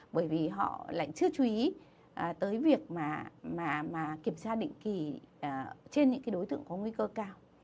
bởi vì họ lại chưa chú ý tới việc kiểm tra định kỳ trên những cái đối tượng có nguy cơ cao